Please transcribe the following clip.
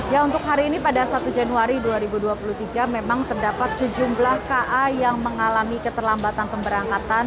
ya untuk hari ini pada satu januari dua ribu dua puluh tiga memang terdapat sejumlah ka yang mengalami keterlambatan pemberangkatan